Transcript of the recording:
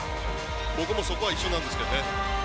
僕もそこは一緒なんですけどね。